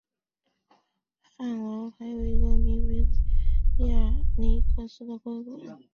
翰劳还有一个名为亚历克斯的哥哥。